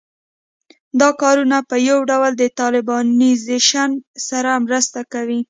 دا کارونه په یو ډول د طالبانیزېشن سره مرسته کوي